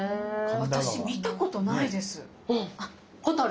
私見たことないです！